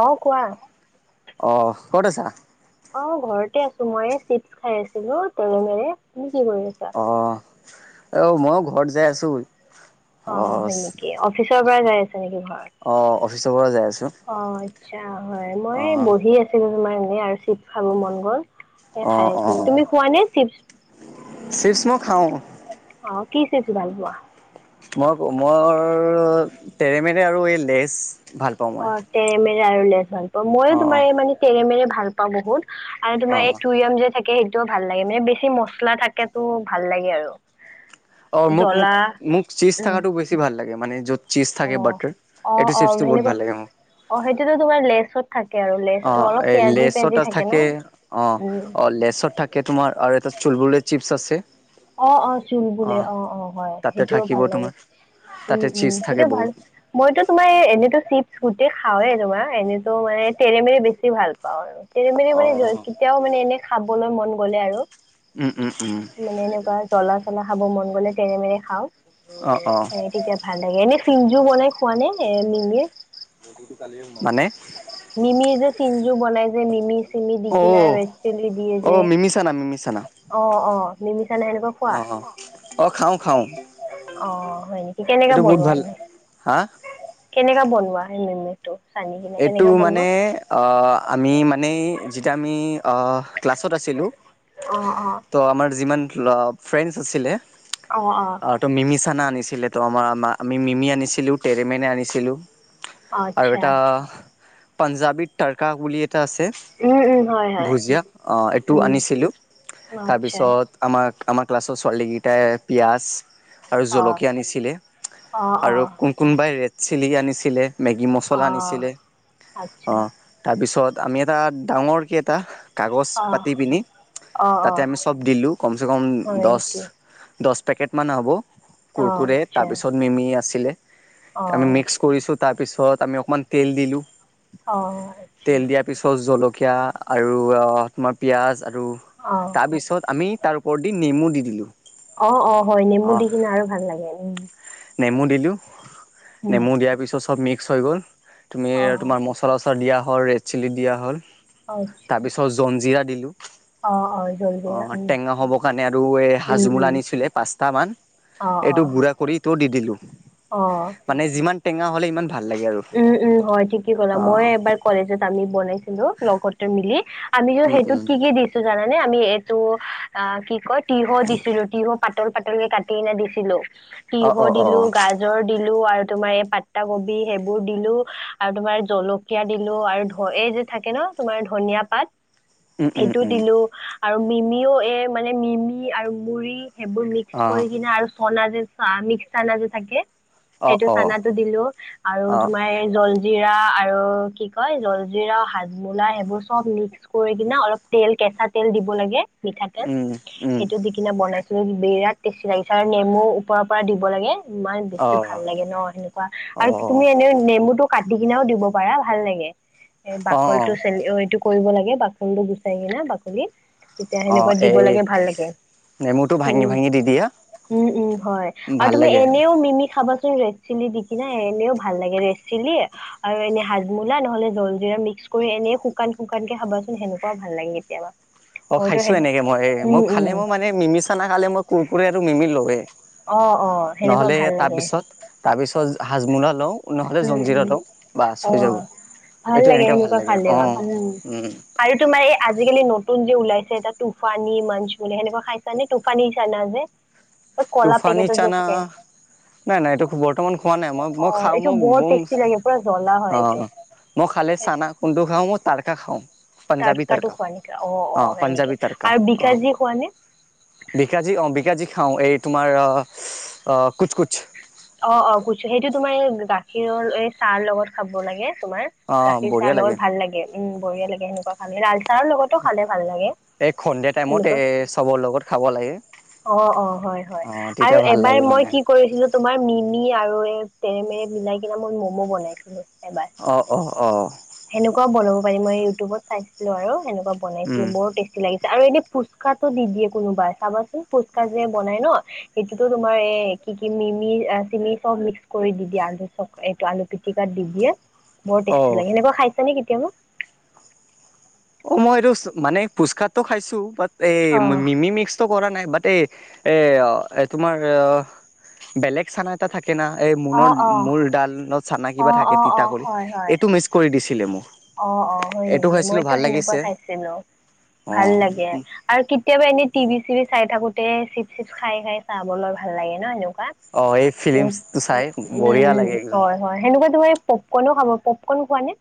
অ কোৱা। আহ ক'ত আছা? অ ঘৰতে আছো মই চিপছ খাই আছিলো তেলেনেৰে। তুমি কি কৰি আছা? অ', অ মইও ঘৰত যাই আছো। অ হয় নেকি? অফিচৰ পৰা যাই আছে নেকি ঘৰত? অফিছৰ পৰা যায় আছো অ আচ্ছা হয় মই অ', বহি আছিলো তোমাৰ এনে আৰু চিপ খাব মন গ'ল। এ খাই আ তুমি খোৱা নে চিপ- চিপ মই খাওঁ। অ কি চিপ ভাল পোৱা মই ক মোৰ তেৰেমেৰে আৰু এই লেজ ভাল পাওঁ মই। অ তেৰেমেৰে আৰু লেছ ভাল পোৱৱ মইয়ো অ', তোমাৰ এই মানে তেৰেমেৰে ভাল পাওঁ বহুত আৰু তোমাৰ এই অ'। টুইয়ম যে থাকে। সেইটোও ভাল লাগে মানে বেছি মচলা থাকেটো ভাল লাগে আৰু অ মোক মোক জ্বলা মোক চীজ উম থকাটো বেছি ভাল লাগে মানে যত। চিজ অ থাকে বাটাৰ অ এইটো অ চিপছটো বহুত সেনেকুৱা ভাল লাগে মোৰ অ সেইটোতো তোমাৰ লেচত থাকে আৰু অ লেচটো অলপ এই পিয়াজি পিয়াজি লেচটা ন থাকে অ উম অ লেচত থাকে তোমাৰ আৰু এটা চুলবুলে চিপ- চাছে অ অ চুলবোলে অ অ হয় তাতে সেইটোও থাকিব ভাল লাগে। তোমাৰ উম তাতে চীজ উম থাকে সেইটোও ভাল বহুত। মইতো তোমাৰ এনেতো চিপ গোটে খাওৱে তোমাৰ এনেত মানে তেৰেমেৰে বেছি ভাল পাওঁ আৰু তেৰেমেৰে মানে অ', কেতিয়াও মানে এনে খাবলৈ মন গলে আৰু- উম! উম! উম! জ্বলাচলা খাব মন গ'লে তেৰেমেৰে খাওঁ। অ', অ', এ তেতিয়া ভাল লাগে এনে চিমজু বনাই খোৱা নে এ মিমিৰ। মানে- চিমজু বনাই যে মিমি। চেনি দি কিনাই অ', ৰেড চিলি দিয়ে যে অ', অ অ। নিমিচানে সেনেকুৱা খোৱা অ অ অ খাওঁ খাওঁ। অ হয় নেকি? কেনেকাে এইটো বহুত বনোৱা ভাল। তুমি হা কেনেকা বনোৱা সেই মেমিটো- এইটো মানে আহ আমি মানে যিটিয়া আমি আহ। ক্লাছত আছিলোঁ অ অ ত' আমাৰ যিমান ফ্ৰেণ্ডছ আছিলে অ ত মিমি- খানা আনিছিলে তো আমাৰ আমি মিমি আনিছিলো তেটৰেমেনে আনিছিলো। আচ্ছা। পাঞ্জাবী তাৰকা বুলি এটা আছে। উম উম হয় হয় ভুজিয়া এইটো উম আনিছিলোঁ আচ্ছা তাৰপিছত আমাক- আমাৰ ক্লাছৰ ছোৱালী কিটাই পিয়াজ- আৰু অ জলকীয়া আনিছিলে অ অ আৰু ক কোনবাই ৰেড চিলি আনিছিলে। মেগী, অ মছলা আনিছিলে আচ্ছা অঁ তাৰপিছত আমি এটা ডাঙৰকে এটা কাগজ অ পাতি পিনি অ অ তাতে আমি চব দিলোঁ কমচে কম হয় দছ নেকি দ- পেকেট মান হ'ব অ কুৰকুৰে আচ্ছা তাৰপিছত মিমি আছিলে অ আমি মিক্স কৰিছো। তাৰ পিছত আমি অকমান তেল দিলো অ আচ্ছা তেল দিয়াৰ পিছত জল- কীয়া আৰু তোমাৰ পিয়াঁজ আৰু অ তাৰপিছত আমি- তাৰ ওপৰত দি নেমু দি দিলোঁ। অ অ হয় নেমু অ' দি কিনে আৰু ভাল লাগে উ- নেমু দিলোঁ নেমু দিয়াৰ পিছত চব মিক্স হৈ গ'ল। তুমি অ তোমাৰ মছলা চছলা দিয়া হ'ল ৰেড চিলি দিয়া হ'ল আচ্ছা তাৰ পিছত জঞ্জিৰা অ অ অ জলজিৰা উম টেঙা হ'ব কাৰণে আৰু এই উম উম হাজমোলা আনিছিলে পাঁচটা মান- অ', এইটো অ', গুড়া কৰি টো দি দিলোঁ অ', মানে যিমান টেঙা হলে ইমান- ভাল লাগে আৰু উম উম হয় ঠিকেই ক'লা মই অঁ এবাৰ কলেজত আমি বনাইছিলোঁ লগতে মিলি। আমি উম সেইটোত উম কি কি দিছোঁ জানানে আমি এইটো অ কি কয় তিয়হ দিছিলো তিয়হ -। পাতল পাতলক কাটিনে দিছিলো অঁ তিয়হ অঁ অঁ অঁ দিলোঁ গাজৰ দিলোঁ -। আৰু তোমাৰ এই পাতা কবি সেইবোৰ-। বোৰ দিলোঁ আৰু তোমাৰ জলকীয়া দিলোঁ আৰু ধ এই যে থাকে ন তোমাৰ ধনিয়া পাত- উম সেইটো দিলো আৰু মিমিও এই মানে মিমি আৰু মুৰি- সেইবোৰ মিক্স কৰি কিনে আৰু চনা যে চ মিক্স চানা যে থাকে- উম সেইটো উম অঁ অঁ চানাটো দিলো আৰু অঁ অঁ তোমাৰ- লিৰা আৰু কি কয় ললজিৰা হাজমোলা সেইবোৰ চব মিক্স কৰি কি অলপ- তেল কেঁচা তেল দিব লাগে মিঠাতেল উম উম সেইটো দি কিনে বনাই- বিৰাট টেষ্টি লাগিছে আৰু নেমু ওপৰৰ পৰা দিব লাগে। ইমান বেছি অঁ ভাল লাগে ন সেনেকুৱা আৰু অঁ তুমি এনে নেমুটো- কাটি কিনেও দিব পাৰা ভাল লাগে, এ অঁ বাকল অঁ টো চেল এইটো- কৰিব লাগে বাকনটো গুচাই কিনে বাকলি তেতিয়া অঁ সেনেকুৱা দিব এই লাগে ভাল লাগে- নেমুটো ভাঙি উম ভাঙি দি দিয়া উম উম হয় আৰু ভাল তুমি লাগে এনেও মিমি খাব- ৰেড চিলি দি কেনে- এনেও ভাল লাগে ৰেড চিলি আৰু এনে হাজ মোলা নহলে জলজীৰা মিক্স কৰি এনে শুকান শুকান- শুকানকে খাবচোন কেনেকুৱা ভাল লাগে কেতিয়াবা। অ মইতো খাইছোঁ সেই এনেকে মই এ মই উম উম খালে মই মানে মিমি ছানা খালে মই কোৰকুৰেটো মিমি লৱে- অ অ সেনেকুৱা নহ'লে ভাল লাগে তাৰপিছত তাৰ পিছত হাজমোলা লওঁ- নহ'লে উম জলজিৰা উম লওঁ বাচ অ হৈ যাব- ভাল এইটো লাগে এনেকে ভাল সেনেকুৱা অ খালেও উম আৰু তোমাৰ এই আজিকালি নতু-। নতুন যে ওলাইছে টুফানী মাছ বুলি সেনেকুৱা খাইছা নে টুফানী চানা যে-। এই কলা টোফানী পেকেটত যে চানা থাকে নাই নাই এইটো বৰ্তমান খোৱা নাই মই অ মই খাওঁ-। এইটো বৰ টেষ্টি লাগে পুৰা জ্বলা হয় অ এইটো মই খালে চানা কুটোু খাওঁ মই তাৰকা খাওঁ-। পঞ্জাবী তাটকাটো তাৰকা খোৱা নেকি? অ' অ' অঁ হয় নেকি? পঞ্জাবী তাৰকা আৰু অঁ-। বিকাজী খোৱা নে? বিকাজী অ বিকাজী খাওঁ এই তোমাৰ কুচ কুচ-। অ অ বুজিছোঁ সেইটো তোমাৰ গাখীৰৰ এই চাহ লগত খাব লাগে-। তুমাৰ অ গাখীৰ চাৰ বঢ়িয়া লগত ভাল লাগে উম বঢিয়া লাগে সেনেকুৱা খামে ল-। এই সন্ধিয়া টাইমত এ সেনেকুৱা। চবৰ লগত খাব লাগে-। অ অ হয় হয় অ আৰু তেতিয়া ভাল এবাৰ লাগে মই মানে কি কৰিছিলোঁ তোমাৰ মিমি-। আৰু এ তেৰেমেৰে মিলাই কিনে মই ম'ম' বনাইছিলোঁ -। অ অ অ-। সেনেকুৱা বনাব পাৰি মই ইউটিউবত চাইছিলোঁ আৰু সেনেকুৱা বনাইছিলোঁ উম বৰ টেষ্টি লাগিছিল-। আৰু এনে ফুচকাটো দি দিয়ে কোনোবাই চাবাচোন ফুচকা যে বনাই ন সেইটোতো তোমাৰ এ-। কি কি মিমি চিমি চব মিক্স কৰি দি দিয়ে আলু চ এইটো আলু পিটিকাত দি দিয়ে-। বৰ অ টেষ্টি লাগে এনেকুৱা খাইছে নে কেতিয়াবা? অ মই এইটো মানে ফুচকাাতটো খাইছোঁ বাত এই অ', মিমি মিক্সটো কৰা নাই-। বাত এই এ তোমাৰ বেলেগ চানা এটা থাকে-। থাকেনা এই মোনৰ অ', অ', মোৰ ডালত চানা কিবা অ', থাকে অ', তিতা অ', কৰি হয়, হয়। এইটো মিক্স কৰি দিছিলে মোক-। অ অ হয় এইটো নেকি খাইছিলোঁ মই-। অ ভাল তেনেকুৱা লাগিছে খাইছে ন অ ভাল লাগে আৰু কেতিয়াবা এনেই টিভি চিভি চাই-। থাকোতে চিপ চিপ খাই খাই চাবলৈ ভাল লাগে নহয় অ এই জানোঁ? ফিলিমছটো চাই বঢ়িয়া উম লাগে একদম হয় হয় সেনেকুৱা তোমাৰ-। পপকৰ্ণো খাব পপকৰ্ণ খোৱা নে?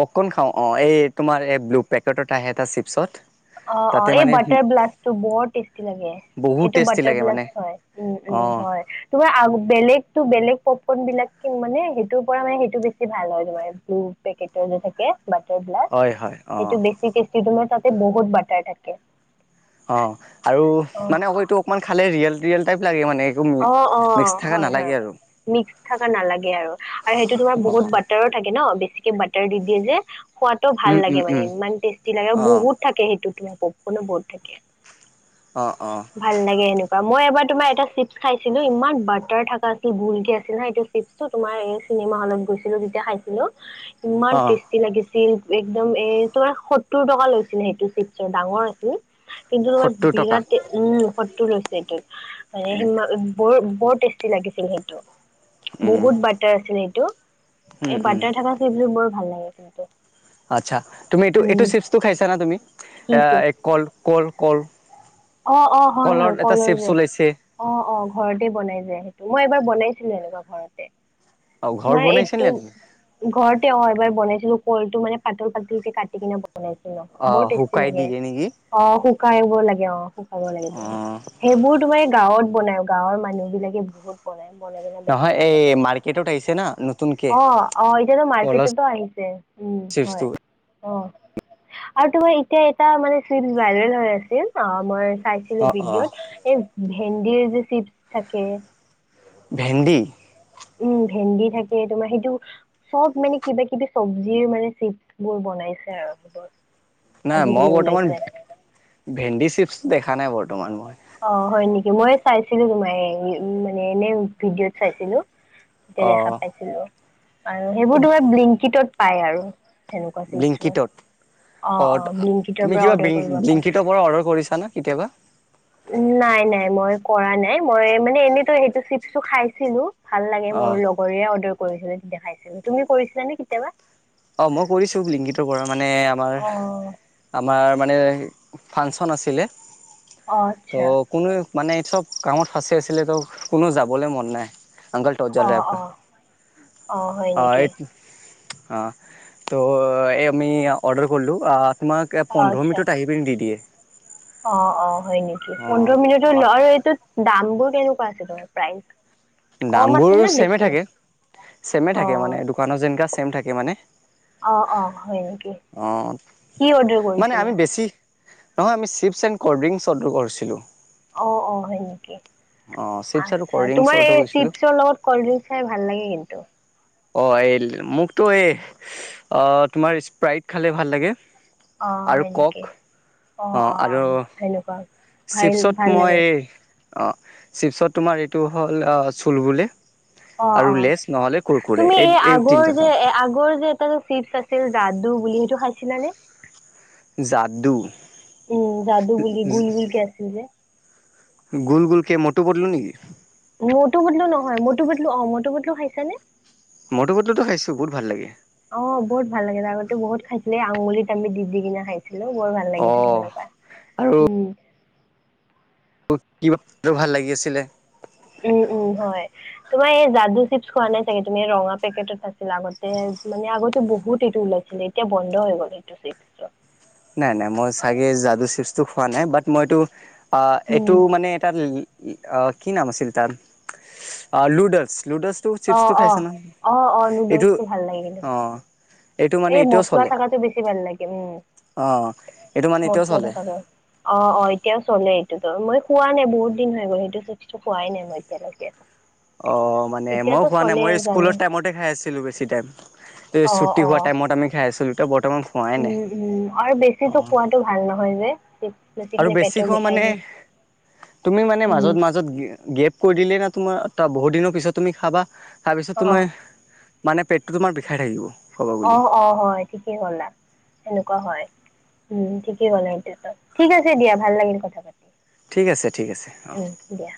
পককন খাওঁ অ এই তোমাৰ এই ব্লু পেকেটত আহে এটা চিপছত-। অ অ তাতে এই মানে বাটাৰ ব্লাষ্টটো বৰ টেষ্টি লাগে-। বহুত সেইটো টেষ্টি বাটাৰ লাগে ব্লা মানে হয় উম উম অঁ হয় তোমাৰ বেলেগো বেলেগ-। ন বিলাক কি মানে সেইটোৰ পৰা মানে সেইটো বেছি ভাল হয়ে ব্লু পেকেটৰ যে থাকে-। বাটাৰ বিলাক হয় হয় অঁ সেইটো বেছি টেষ্টি তাতে বহুত বাটাৰ থাকে। অ আৰু অ', মানে অক এইটো অকমান খালে ৰিয়েল ৰিয়েল টাইপ লাগে মানে একো অ অ মিক্স থকা হয় নালাগে হয় আৰু মিক্স থকা নালাগে আৰু সেইটো তোমাৰ বহুত অঁ বাটাৰো থাকে ন বেছি বাটাৰ দি দিয়ে যে খোৱাটো ভাল উম উম লাগে উম মানে ইমান টেষ্টি লাগে আৰু অঁ বহুত থাকে সেইটো তোম পপকৰ্ণও বহুত থাকে। অঁ অঁ ভাল লাগে এনেকুৱা। মই এবাৰ তোমাৰ এটা চিপছ খাইছিলো ইমান বাটাৰ থাকা আছিল গোল কে আছিল না এইটো চিপছটো তোমাৰ। চিনেমা হলত গৈছিলো যেতিয়া খাইছিলো ইমান অঁ টেষ্টি লাগিছিল। চিল একদম এ তোমাৰ সত্তৰ টকা লৈছিলে সেইটো চিপছৰ ডাঙৰ আছিল। কিন্তু তোমাৰ সত্তৰ টকা বিৰাট উম শত্ৰু লৈছে এইটোত উম মানে বৰ। বৰ টেষ্টি লাগিছিল সেইটো উম বহুত বাটাৰ আছিল সেইটো। উম এই উম বাৰ্টাৰ থাকা ফীলটো বৰ ভাল লাগে কিন্তু। আচ্ছা তুমি এইটো এইটো উম চিপছটো খাইছা না তুমি কি চিপছ এ কল কল কল। অ অ হয় হয় এটা কলৰ চিপছ যে ওলাইছে অ অ ঘৰতে বনাই যে। মই এবাৰ বনাইছিলো এনেকুৱা ঘৰতে। অঁ ঘৰ তোমাৰ বনাইছে নে এইটো নেকি ঘৰতে অ এবাৰ বনাইছিলো। কলটো মানে পাতল পাতলকে কাটি কিনে। বনাইছো ন বৰ অঁ টেষ্টি শুকাই লাগে দিয়ে নেকি অ শুকাইব লাগে অ। শুকাব অঁ সেইবোৰ তোমাৰ গাঁৱত বনাই গাঁৱৰ মানুহ বিলাকে বহুত বনাই। কিনে নহয় বেচে এই মাৰ্কেটত আহিছে না নতুন। অ অ এতিয়াতো মাৰ্কেটতো আহিছে উম হয় চিপছটো অ। আৰু তোমাৰ এতিয়া এটা চিপছ ভাইৰেল হৈ আছিল। অ চাইছিলো অ ভিডিঅ'ত এই ভেন্দিৰ যে চিপছ থাকে [unintelligible] ভেন্দি উম ভেন্দি থাকে তোমাৰ সেইটো চব মানে কিবা কিবি চব্জিৰ মানে চিপছ বোৰ বনাই বনাইছে সেইবোৰ নাই মই আজিকালি বৰ্তমান ওলাইছে। ভেন্দী চিপছ দেখা নাই বৰ্ত অ হয় নেকি মই চাইছিলো তোমাৰ মানে এনে ভিডিঅ'ত চাইছিলো তেতিয়া অ দেখা পাইছিলো আৰু সেইবোৰ তোমাৰ ব্লিংকটত পায় আৰু সেনেকুৱা চিপছবোৰ ব্লিংকিটত অ অ ব্লিংকিটৰ তুমি পৰা কিবা অৰ্ডাৰ কৰিব পাৰা ব্লিংকিটৰ পৰা অৰ্ডাৰ কৰিছা না কেতিয়াবা নাই নাই মই কৰা নাই মই মানে এনেইতো সেইটো চিপছো খাইছিলো ভাল লাগে অ মোৰ লগৰ অৰ্ডাৰ কৰিছিলে তেতিয়া খাইছিলো তুমি কৰিছিলা নে কেতিয়াবা [unintelligible] অ মই কৰিছো ব্লিংকিতৰ পৰা মানে আমাৰ অ' আমাৰ মানে ফাংচন আছিলে অ' ত' আচ্ছা। কোনোৱে মানে এই চব কামত ফাঁচি আছিলে ত কোনো যাবলৈ মন নাই অংকল টজ জল অঁ ৰাহা অঁ অঁ হয় নেকি হে আপকা অ তো এই আমি অৰ্ডাৰ কৰিলোঁ তোমাক পোন্ধৰ মিনিত আহি পিনি দি দিয়ে অ অ হয় নেকি অ পোন্ধৰ মিনিটৰ অ ল আৰু এইটোত দাম বোৰ কেনেকুৱা আছে তোমাৰ প্ৰাইচ কম দামবোৰ আছেনে ছেমে বেছি থাকে ছেমে থাকে অঁ মানে দোকানত যেনো ছেম থাকে মানে অঁ অঁ হয় নেকি অ কি অৰ্ডাৰ মানে কৰিছিলা আমি বেছি নহয় আমি chips and cold drinks order কৰিছিলো অ অ হয় নেকি চিপছ আৰু আচ্ছা কল্ড ড্ৰিংকছ তোমাৰ অৰ্ডাৰ এই কৰিছিলোঁ চিপছৰ লগত কল্ড ড্ৰিংক খাই ভাল লাগে কিন্তু অ এই মোকতো এই তোমাৰ স্প্ৰাইট খালে ভাল লাগে অ আৰু হয় কক নেকি অ অ সেনেকুৱা ভাল চিপছত ভাল মই লাগে অঁ চিপছত তোমাৰ এইটো হ'ল চুলবলে অঁ আৰু অঁ লেছ, নহ'লে কুৰকুৰে তুমি এই আগৰ তিনিটা যে খাওঁ এ আগৰ যে এটা যে চিপছ আছিল দাদু বুলি খাইছিলা নে? যাদু উম যাদু বুলি গুল গুল কে আছিল যে। গোল গোল ক মটো -পটলো নেকি? মটো- পটলু নহয় মটো পটলু অ মটো পটলু খাইছা নে? মটু পটলুটো খাইছো বহুত ভাল লাগে অ বহুত ভাল লাগে ত আগতে বহুত খাইছ আঙুলিত আমি দি দি কিনা খাইছিলো বৰ ভাল লাগিছিল অ সেনেকুৱা উম। ক ভাল লাগি আছিলে উম উম হয়। তোমাৰ এই যাদু চিপছ খোৱা নাই চাগে তুমি ৰঙা পেকেটত আছিলা আগতে মানে আগতেো বহুত এইটোওল এতিয়া বন্ধ হৈ গ'ল স। নাই নাই মই চাগে যাদু চিপছটো খোৱা নাই বাট মইতটো অ এইটো উম মানে এটা কি নাম আছিল তাৰ লু'ডেলছ। লুডেলছটো অ চিপছটো অ খাইছে নহ অ অ এইটো নুডলছটো ভাল লাগে কিন্তু অ এইটো মানে এই এতিয়াও মচলা চলে থাকাটো বেছি ভাল লাগে উম অ এইটো মানে এতিয়াও মচলা চলে থকা বাৰ অ অ এতিয়াও চলে। মই খোৱা নাই বহুত দিন হৈ গ'ল সেইটো চিফচটো খোৱাই নাই মই এতিয়ালৈকে। অ মানে মই এতিয়াতো খোৱা নাই চলে মই জানো স্কুলত টাইমতে খাই আছিলো বেছি টাইম অ', ছুটি হোৱা অ'। টাইত আম খাই আছিলো বৰ উম উম আৰু বেছিত খোৱাতটো ভাল নহয় যে আৰু খালে বেছি পেটটো খোৱা বিষাই মানে যে। তুমি মানে উম, মাজত মাজত গেপ কৰি দিলে ন তোমাৰ বহুত দিনৰ পিছত তুমি খাবা খাৰ পিছত অ', তুমাৰ মানে পেটটো তোমাৰ বিষাই থাকিব। ক'ব গ'লে অ অ হয় ঠিকেই ক'লা সেনেকুৱা হয়। উম ঠিকেই গ'লা এতিয়াতো ঠিক আছে দিয়া ভাল লাগিল কথা পাতি। ঠিক আছে ঠিক আছে অঁ। উম, দিয়া।